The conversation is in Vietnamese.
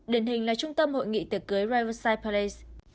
điển hình là trung tâm hội nghị tiệc cưới raiversyte palace